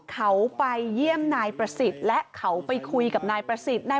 เขาไปเยี่ยมนายประศิษฐ์และเขาไปคุยกับนายประศิษฐ์นาย